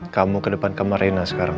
kamu ke depan kamar reina sekarang